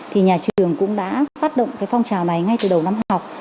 thì nhà trường cũng đã phát động cái phong trào này ngay từ đầu năm học